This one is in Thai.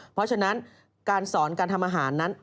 เพราะฉะนั้นการสอนการทำอาหารนั้น